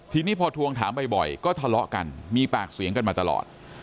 ทีนี้พอทวงถามบ่อยก็ทะเลาะกันมีปากเสียงกันมาตลอด